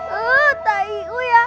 pak ibu ya